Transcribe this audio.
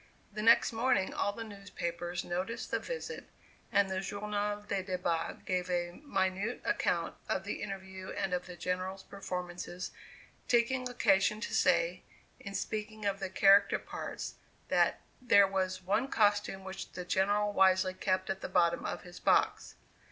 The next morning all the newspapers noticed the visit, and the Journal des Debats gave a minute account of the interview and of the General's performances, taking occasion to say, in speaking of the character parts, that "there was one costume which the General wisely kept at the bottom of his box."